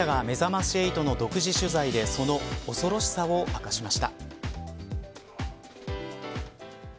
被害者がめざまし８の独自取材でその恐ろしさを明かしました。